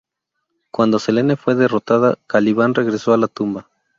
Cuando Selene fue derrotada, Caliban regresó a la tumba.